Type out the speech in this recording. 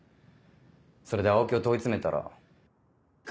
それで青木を問い詰めたら。